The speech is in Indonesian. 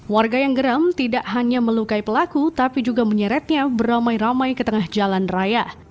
warga yang geram tidak hanya melukai pelaku tapi juga menyeretnya beramai ramai ke tengah jalan raya